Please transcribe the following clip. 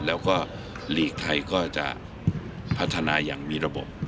แล้วก็หลีกไทยก็จะพัฒนาอย่างมีระบบ